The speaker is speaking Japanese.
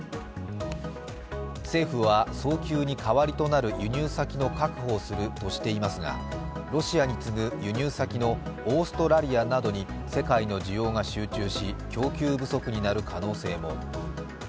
政府は早急に代わりとなる輸入先の確保をするとしていますが、ロシアに次ぐ輸入先のオーストラリアなどに世界の需要が集中し供給不足になる可能性も。